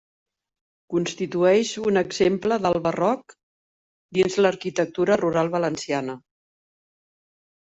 Constitueix un exemple del barroc dins l'arquitectura rural valenciana.